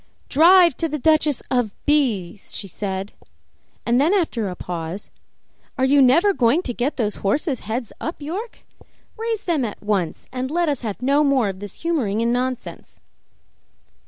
"Drive to the Duchess of B 's," she said, and then after a pause, "Are you never going to get those horses' heads up, York? Raise them at once and let us have no more of this humoring and nonsense."